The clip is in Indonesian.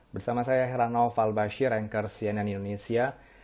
bersama saya herano falbashi rancher cnn indonesia